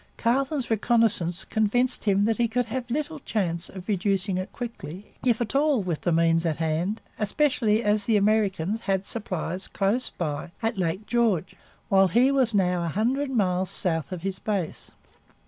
Carleton's reconnaissance convinced him that he could have little chance of reducing it quickly, if at all, with the means at hand, especially as the Americans had supplies close by at Lake George, while he was now a hundred miles south of his base.